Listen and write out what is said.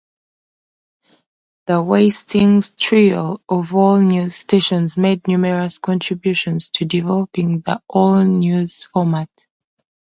The Westinghouse trio of all-news stations made numerous contributions to developing the all-news format.